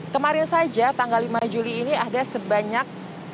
kemarin saja tanggal lima juli ini ada sebanyak satu dua ratus tujuh puluh enam